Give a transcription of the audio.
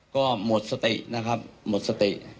ก็หมดสตินะครับหมดสติ